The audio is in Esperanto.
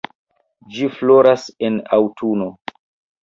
Ĝi floras en aŭtuno.